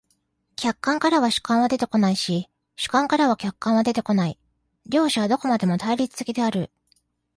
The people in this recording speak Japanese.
客観からは主観は出てこないし、主観からは客観は出てこない、両者はどこまでも対立的である。